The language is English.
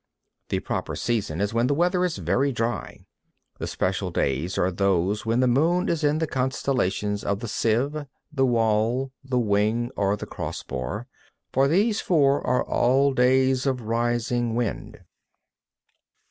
4. The proper season is when the weather is very dry; the special days are those when the moon is in the constellations of the Sieve, the Wall, the Wing or the Cross bar; for these four are all days of rising wind.